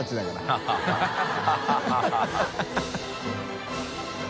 ハハハ